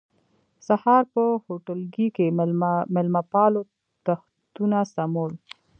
سهار په هوټلګي کې مېلمه پالو تختونه سمول.